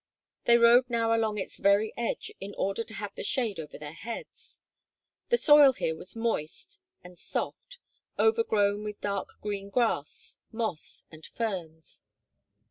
They rode now along its very edge in order to have the shade over their heads. The soil here was moist and soft, overgrown with dark green grass, moss, and ferns.